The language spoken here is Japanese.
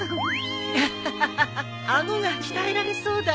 アハハハ顎が鍛えられそうだよ。